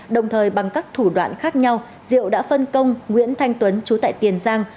đồng thời bằng các thủ đoạn khác nhau diệu đã phân công nguyễn thanh tuấn chú tại tiền giang